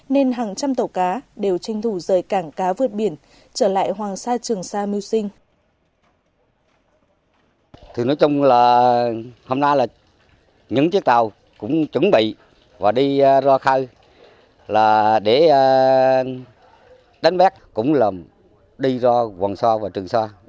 nên hàng trăm tàu đầy đủ để đưa lên tàu đầy đủ để đưa ra hoàng sa trường sa